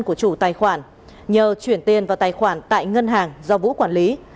hiếu đặt mua trên mạng ba thẻ ngân hàng bidv có tên chủ tài khoản nhờ chuyển tiền vào tài khoản tại ngân hàng do vũ quản lý